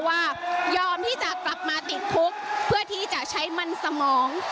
ยอมที่จะกลับมาติดคุกเพื่อที่จะใช้มันสมอง